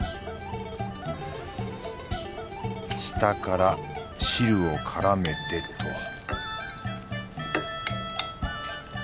下から汁を絡めてと